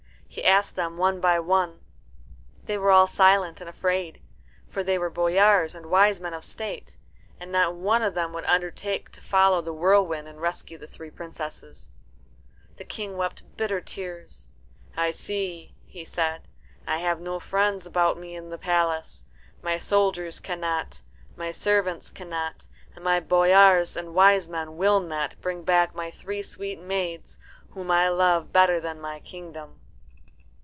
He asked them one by one. They were all silent and afraid. For they were boyars and wise men of state, and not one of them would undertake to follow the whirlwind and rescue the three princesses. The King wept bitter tears. "I see," he said, "I have no friends about me in the palace. My soldiers cannot, my servants cannot, and my boyars and wise men will not, bring back my three sweet maids, whom I love better than my kingdom."